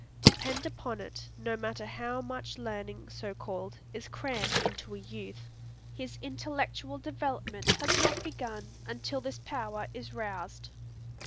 Depend upon it, no matter how much learning, so called, is crammed into a youth, his intellectual development has not begun until this power is roused.